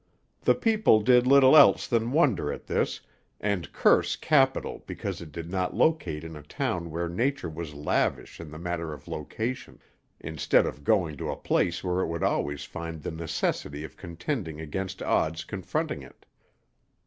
The people did little else than wonder at this, and curse Capital because it did not locate in a town where nature was lavish in the matter of location, instead of going to a place where it would always find the necessity of contending against odds confronting it.